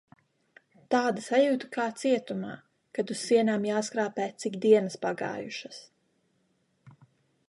Tāda sajūta kā cietumā, kad uz sienām jāskrāpē cik dienas pagājušas...